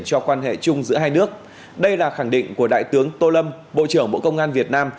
cho quan hệ chung giữa hai nước đây là khẳng định của đại tướng tô lâm bộ trưởng bộ công an việt nam